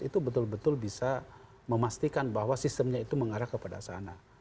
itu betul betul bisa memastikan bahwa sistemnya itu mengarah kepada sana